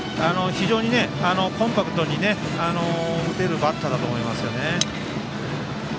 非常にコンパクトに打てるバッターだと思います。